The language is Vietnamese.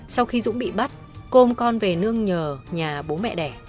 sau khi dũng bị bắt cô ôm con về nương nhờ nhà bố mẹ đẻ